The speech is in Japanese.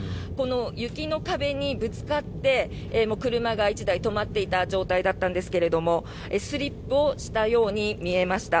雪の壁にぶつかって車が１台止まっていた状態だったんですがスリップをしたように見えました。